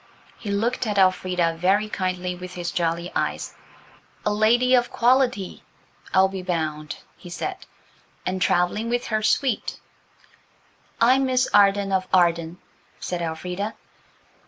He looked at Elfrida very kindly with his jolly eyes. "A lady of quality, I'll be bound," he said, "and travelling with her suite." "I'm Miss Arden of Arden," said Elfrida.